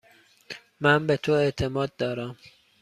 من به تو اعتماد دارم.